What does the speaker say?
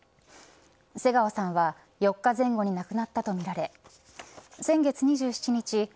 瀬川さんは４日前後に亡くなったとみられ先月２７日